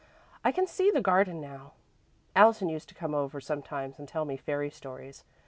I can see the garden now. Allison used to come over sometimes and tell me fairy stories.